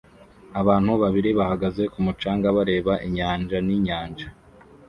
Abantu babiri bahagaze ku mucanga bareba inyanja ninyanja